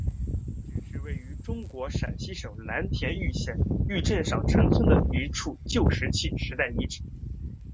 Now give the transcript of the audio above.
上陈遗址是位于中国陕西省蓝田县玉山镇上陈村的一处旧石器时代遗址。